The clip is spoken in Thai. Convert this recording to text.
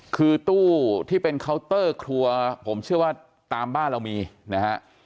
คือตู้ที่เป็นเคาน์เตอร์ครัวผมเชื่อว่าตามบ้านเรามีนะฮะ